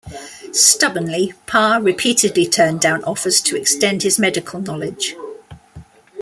Stubbornly, Parr repeatedly turned down offers to extend his medical knowledge.